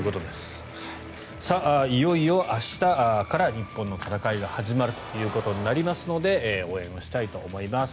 いよいよ明日から日本の戦いが始まりますので応援をしたいと思います。